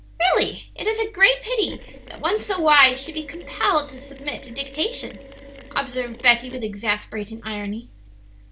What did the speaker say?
"Really, it is a great pity that one so wise should be compelled to submit to dictation," observed Betty with exasperating irony.